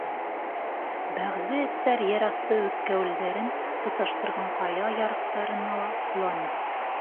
Бәғзе эттәр ер аҫты үткәүелдәрен тоташтырған ҡая ярыҡтарына ла ҡоланы.